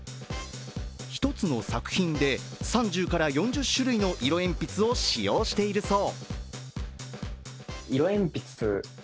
１つの作品で３０から４０種類の色鉛筆を使用しているそう。